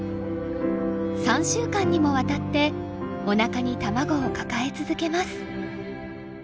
３週間にもわたっておなかに卵を抱え続けます。